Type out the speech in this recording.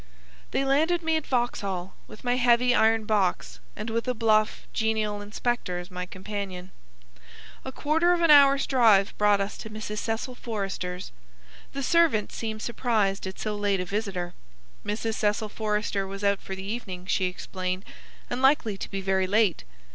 They landed me at Vauxhall, with my heavy iron box, and with a bluff, genial inspector as my companion. A quarter of an hour's drive brought us to Mrs. Cecil Forrester's. The servant seemed surprised at so late a visitor. Mrs. Cecil Forrester was out for the evening, she explained, and likely to be very late.